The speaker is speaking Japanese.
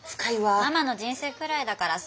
ママの人生くらいだからそういうの。